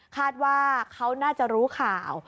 คาดว่าเขาน่าจะรู้ข่าว